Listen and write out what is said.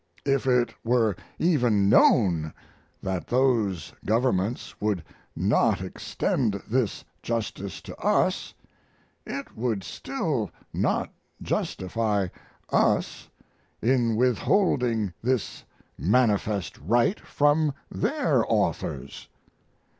If it were even known that those governments would not extend this justice to us it would still not justify us in withholding this manifest right from their authors.